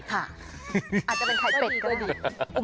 อาจจะเป็นไข่เป็ดก็ดี